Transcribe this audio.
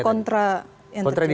ada kontra yang terjadi